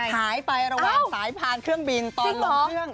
หายไประหว่างสายพานเครื่องบินตอนลงเครื่อง